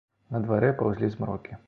На дварэ паўзлі змрокі.